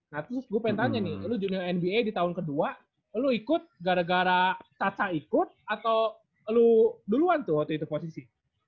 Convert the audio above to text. nah terus gue pengen tanya nih lu junior nba di tahun kedua lo ikut gara gara caca ikut atau lo duluan tuh waktu itu posisi